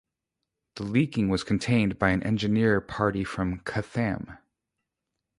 The leaking was contained by an engineer party from "Chatham".